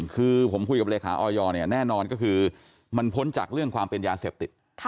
คือผมคุยกับเลขาออยเนี่ยแน่นอนก็คือมันพ้นจากเรื่องความเป็นยาเสพติด